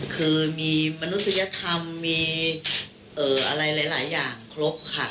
คือมีมนุษยธรรมมีอะไรหลายอย่างครบค่ะ